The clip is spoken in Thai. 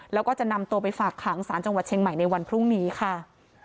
แล้วก็จะนำตัวไปฝากขังสารจังหวัดเชียงใหม่ในวันพรุ่งนี้ค่ะ